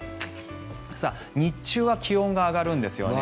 日中は気温が上がるんですよね。